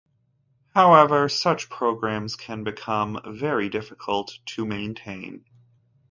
However, such programs can become very difficult to maintain.